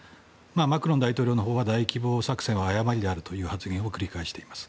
マクロン大統領のほうは大規模作戦は誤りであるという発言を繰り返しています。